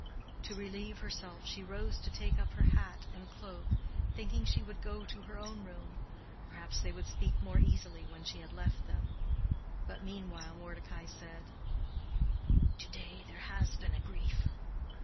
To relieve herself she rose to take up her hat and cloak, thinking she would go to her own room: perhaps they would speak more easily when she had left them. But meanwhile Mordecai said, "To day there has been a grief.